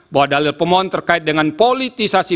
bahwa dalil pemohon terkait dengan politisasi